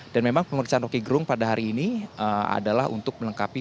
dan memang pemeriksaan roky gerung pada hari ini adalah untuk melengkapi